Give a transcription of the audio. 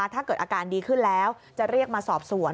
ถ้าเกิดอาการดีขึ้นแล้วจะเรียกมาสอบสวน